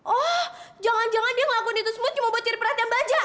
oh jangan jangan dia ngelakuin itu semua buat jadi perhatian baja